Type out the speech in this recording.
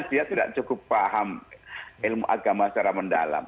dia tidak cukup paham ilmu agama secara mendalam